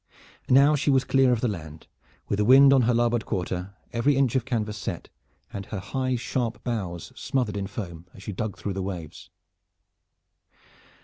Now she was clear of the land, with the wind on her larboard quarter, every inch of canvas set, and her high sharp bows smothered in foam, as she dug through the waves.